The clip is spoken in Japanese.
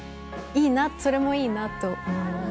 いいなそれもいいなと思います。